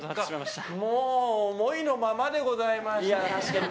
思いのままでございました。